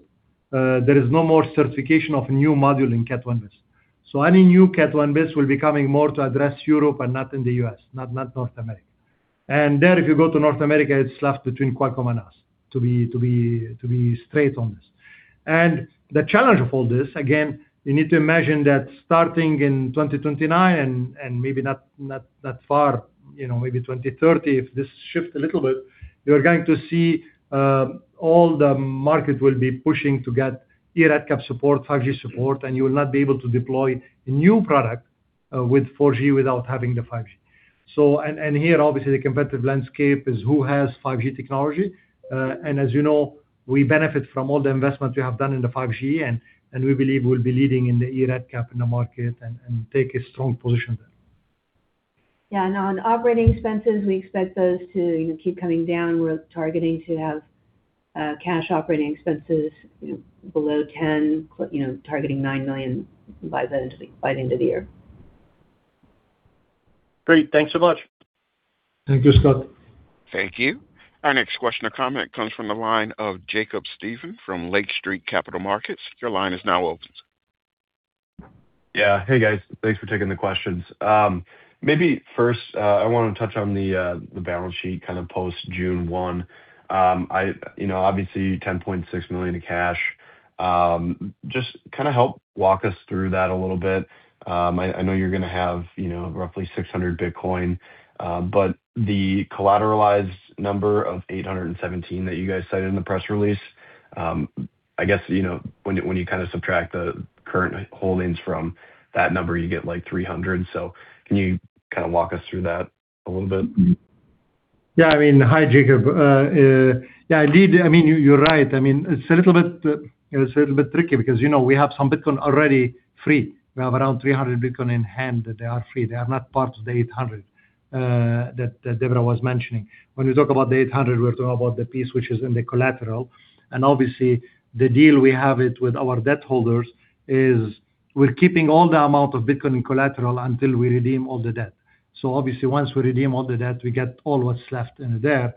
S3: There is no more certification of new module in Cat 1bis. Any new Cat 1bis will be coming more to address Europe and not in the U.S., not North America. There, if you go to North America, it's left between Qualcomm and us, to be straight on this. The challenge of all this, again, you need to imagine that starting in 2029 and maybe not that far, you know, maybe 2030, if this shift a little bit, you're going to see all the market will be pushing to get eRedCap support, 5G support, and you will not be able to deploy new product with 4G without having the 5G. Here, obviously the competitive landscape is who has 5G technology. As you know, we benefit from all the investments we have done in the 5G, and we believe we'll be leading in the eRedCap in the market and take a strong position there.
S4: Yeah. On operating expenses, we expect those to, you know, keep coming down. We're targeting to have cash operating expenses below $10 million, you know, targeting $9 million by the end of the year.
S6: Great. Thanks so much.
S3: Thank you, Scott.
S1: Thank you. Our next question or comment comes from the line of Jacob Stephan from Lake Street Capital Markets. Your line is now open.
S7: Yeah. Hey, guys. Thanks for taking the questions. Maybe first, I want to touch on the balance sheet kind of post June 1. You know, obviously $10.6 million in cash. Just kind of help walk us through that a little bit. I know you're going to have, you know, roughly 600 Bitcoin, but the collateralized number of 817 that you guys cited in the press release, I guess, you know, when you kind of subtract the current holdings from that number, you get like 300. Can you kind of walk us through that a little bit?
S3: Yeah, I mean Hi, Jacob. Yeah, indeed, I mean, you're right. I mean, it's a little bit tricky because, you know, we have some Bitcoin already free. We have around 300 Bitcoin in hand. They are free. They are not part of the 800 that Deborah was mentioning. When we talk about the 800, we're talking about the piece which is in the collateral. Obviously, the deal we have it with our debt holders is we're keeping all the amount of Bitcoin in collateral until we redeem all the debt. Obviously, once we redeem all the debt, we get all what's left in there.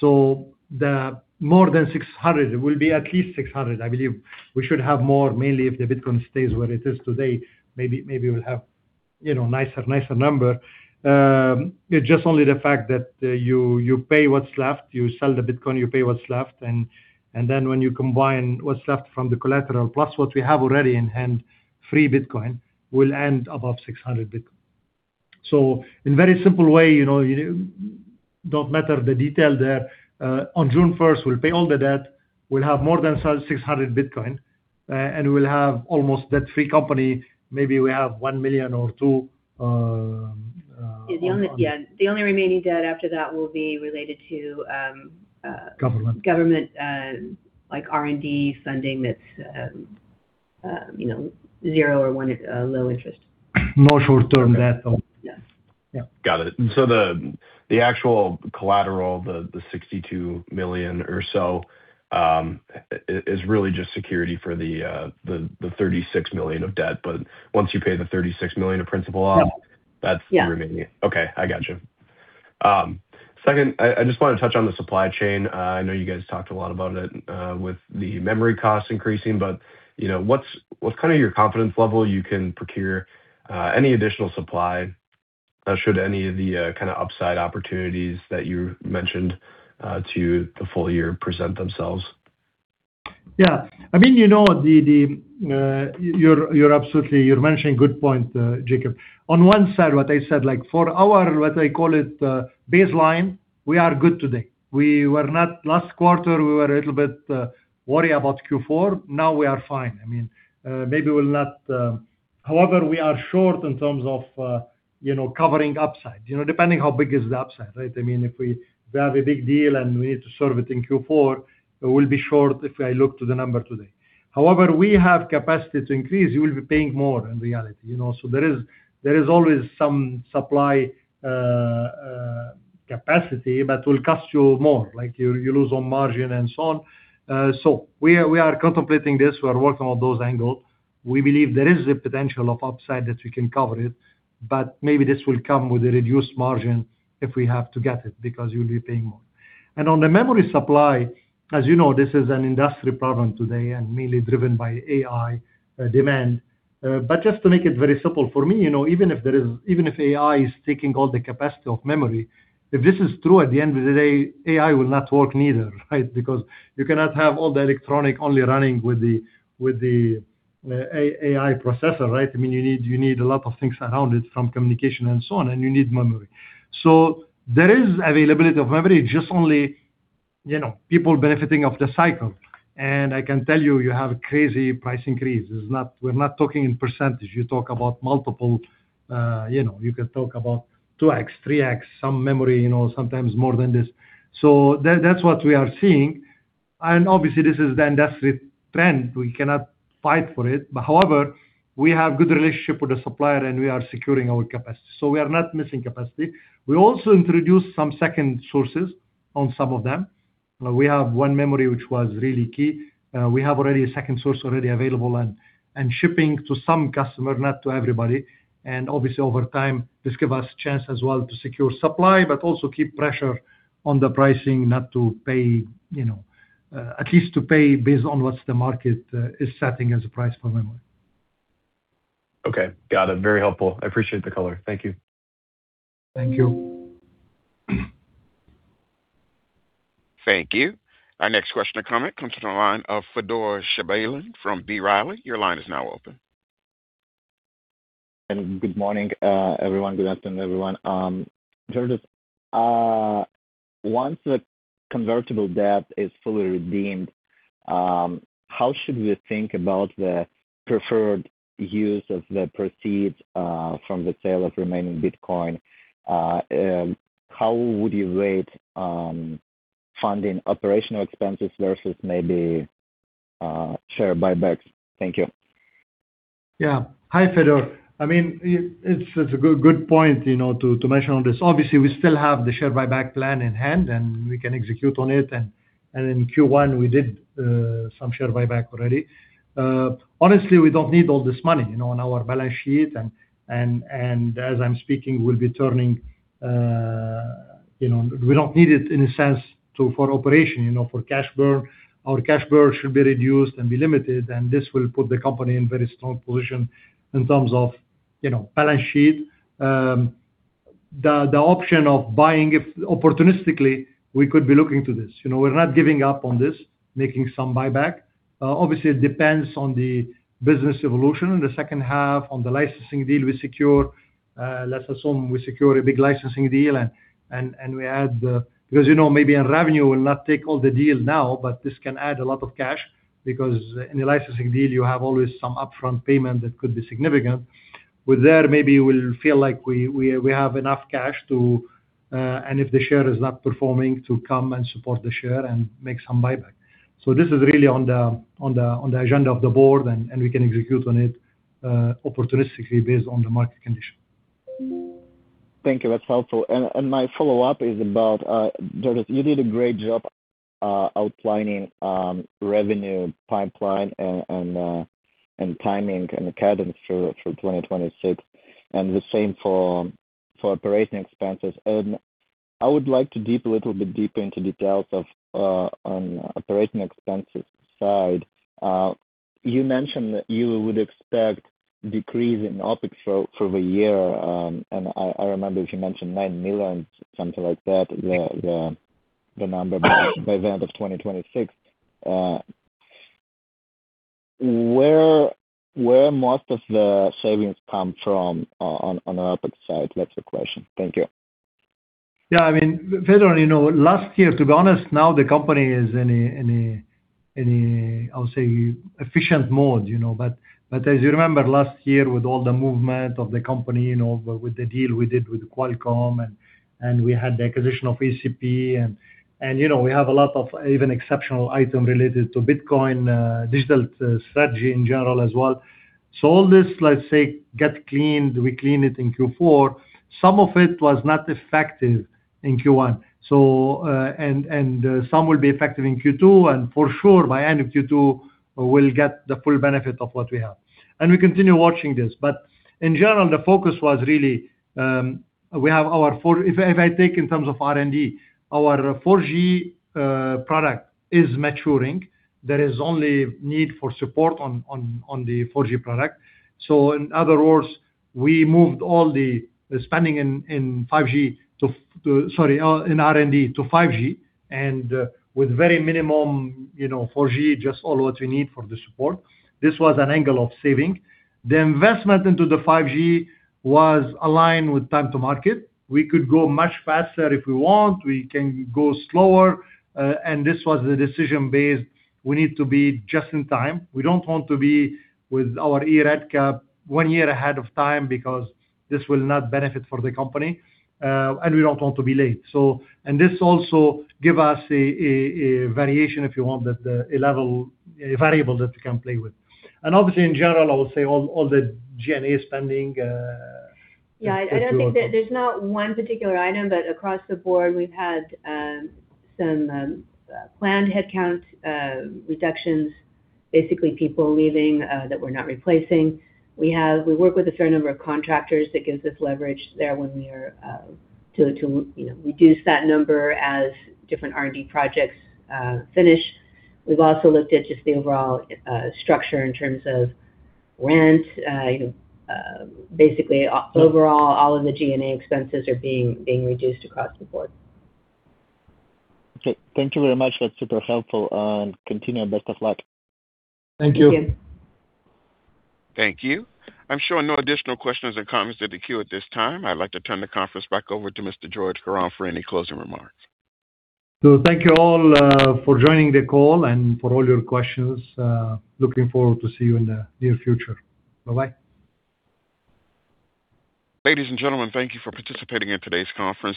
S3: The more than 600, it will be at least 600, I believe. We should have more, mainly if the Bitcoin stays where it is today, maybe we'll have, you know, nicer number. It's just only the fact that you pay what's left, you sell the Bitcoin, you pay what's left, and then when you combine what's left from the collateral plus what we have already in hand, free Bitcoin, we'll end above 600 Bitcoin. In very simple way, you know, you don't matter the detail there. On June 1st, we'll pay all the debt. We'll have more than 600 Bitcoin, and we'll have almost debt-free company. Maybe we have $1 million or $2 million.
S4: Yeah. The only remaining debt after that will be related to.
S3: Government
S4: government, like R&D funding that's, you know, 0 or 1, low interest.
S3: More short-term debt.
S4: Yes. Yeah.
S7: Got it. The actual collateral, the $62 million or so, is really just security for the $36 million of debt. Once you pay the $36 million of principal off.
S4: Yeah
S7: that's the remaining.
S4: Yeah.
S7: Okay. I got you. Second, I just wanna touch on the supply chain. I know you guys talked a lot about it, with the memory costs increasing, but, you know, what's kinda your confidence level you can procure any additional supply, should any of the kinda upside opportunities that you mentioned to the full year present themselves?
S3: I mean, you know, you're absolutely mentioning a good point, Jacob. On one side, what I said, like for our, what I call it, baseline, we are good today. Last quarter, we were a little bit worried about Q4. Now we are fine. I mean, maybe we'll not. However, we are short in terms of, you know, covering upside. You know, depending how big is the upside, right? I mean, if we have a big deal and we need to serve it in Q4, we'll be short if I look to the number today. However, we have capacity to increase. We will be paying more in reality, you know. There is always some supply capacity, but will cost you more. Like, you lose on margin and so on. We are contemplating this. We are working on those angle. We believe there is a potential of upside that we can cover it, but maybe this will come with a reduced margin if we have to get it because you'll be paying more. On the memory supply, as you know, this is an industry problem today and mainly driven by AI demand. Just to make it very simple for me, you know, even if AI is taking all the capacity of memory, if this is true, at the end of the day, AI will not work neither, right? Because you cannot have all the electronic only running with the AI processor, right? I mean, you need a lot of things around it from communication and so on, and you need memory. There is availability of memory, just only, you know, people benefiting off the cycle. I can tell you have crazy price increase. We're not talking in percentage. You talk about multiple, you know, you can talk about 2x, 3x, some memory, you know, sometimes more than this. That, that's what we are seeing. Obviously, this is the industry trend. We cannot fight for it. However, we have good relationship with the supplier, and we are securing our capacity. We are not missing capacity. We also introduced some second sources on some of them. We have one memory which was really key. We have already a second source already available and shipping to some customer, not to everybody. Obviously, over time, this give us chance as well to secure supply, but also keep pressure on the pricing not to pay, you know, at least to pay based on what's the market is setting as a price for memory.
S7: Okay. Got it. Very helpful. I appreciate the color. Thank you.
S3: Thank you.
S1: Thank you. Our next question or comment comes from the line of Fedor Shabalin from B. Riley. Your line is now open.
S8: Good morning, everyone. Good afternoon, everyone. Georges, once the convertible debt is fully redeemed, how should we think about the preferred use of the proceeds from the sale of remaining Bitcoin? How would you rate funding operational expenses versus maybe share buybacks? Thank you.
S3: Hi, Fedor. I mean, it's a good point, you know, to mention on this. Obviously, we still have the share buyback plan in hand, we can execute on it. In Q1, we did some share buyback already. Honestly, we don't need all this money, you know, on our balance sheet. We don't need it in a sense to, for operation, you know, for cash burn. Our cash burn should be reduced and be limited, and this will put the company in very strong position in terms of, you know, balance sheet. The option of buying opportunistically, we could be looking to this. You know, we're not giving up on this, making some buyback. Obviously, it depends on the business evolution in the second half on the licensing deal we secure. Let's assume we secure a big licensing deal and we add, because, you know, maybe on revenue will not take all the deal now, but this can add a lot of cash because in the licensing deal you have always some upfront payment that could be significant. With that, maybe we'll feel like we have enough cash to, and if the share is not performing, to come and support the share and make some buyback. This is really on the agenda of the board, and we can execute on it opportunistically based on the market condition.
S8: Thank you. That's helpful. My follow-up is about Georges, you did a great job outlining revenue pipeline and timing and cadence for 2026, and the same for operating expenses. I would like to dig a little bit deeper into details on operating expenses side. You mentioned that you would expect decrease in OpEx for the year. I remember you mentioned $9 million, something like that, the number by the end of 2026. Where most of the savings come from on the OpEx side? That's the question. Thank you.
S3: Yeah, I mean, Fedor, you know, last year, to be honest, now the company is in a, I'll say, efficient mode, you know. As you remember last year with all the movement of the company, you know, with the deal we did with Qualcomm, and we had the acquisition of ACP. You know, we have a lot of even exceptional item related to Bitcoin, digital strategy in general as well. All this, let's say, get cleaned, we clean it in Q4. Some of it was not effective in Q1. Some will be effective in Q2, and for sure by end of Q2, we'll get the full benefit of what we have. We continue watching this. In general, the focus was really, if I take in terms of R&D, our 4G product is maturing. There is only need for support on the 4G product. In other words, we moved all the spending in R&D to 5G and with very minimum, you know, 4G, just all what we need for the support. This was an angle of saving. The investment into the 5G was aligned with time to market. We could go much faster if we want. We can go slower. This was the decision based, we need to be just in time. We don't want to be with our eRedCap one year ahead of time because this will not benefit for the company and we don't want to be late. This also gives us a variation, if you want, that a variable that we can play with. Obviously, in general, I would say all the G&A spending.
S4: Yeah, I don't think that there's not one particular item, but across the board we've had some planned headcount reductions, basically people leaving that we're not replacing. We work with a fair number of contractors that gives us leverage there when we are to, you know, reduce that number as different R&D projects finish. We've also looked at just the overall structure in terms of rent. You know, basically overall, all of the G&A expenses are being reduced across the board.
S8: Okay. Thank you very much. That's super helpful. Continue and best of luck.
S3: Thank you.
S4: Thank you.
S1: Thank you. I'm showing no additional questions or comments in the queue at this time. I'd like to turn the conference back over to Mr. Georges Karam for any closing remarks.
S3: Thank you all, for joining the call and for all your questions. Looking forward to see you in the near future. Bye-bye.
S1: Ladies and gentlemen, thank you for participating in today's conference.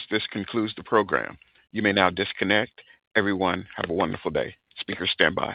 S1: Everyone, have a wonderful day.